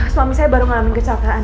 suami saya baru mengalami kecelakaan